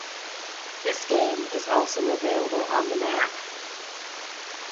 This game is also available on the Mac.